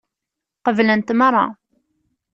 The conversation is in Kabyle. Qeblent meṛṛa.